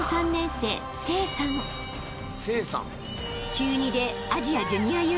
［中２で］